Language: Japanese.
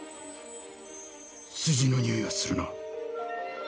数字のにおいがするな。